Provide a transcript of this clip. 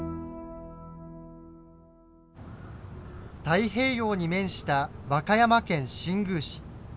太平洋に面した和歌山県新宮市。